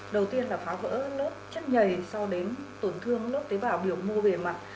đầu tiên là phá vỡ lớp chất nhầy sau đến tổn thương lớp tế bào biểu mô về mặt